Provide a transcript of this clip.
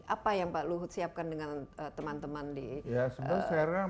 apa yang pak luhut siapkan dengan teman teman di serang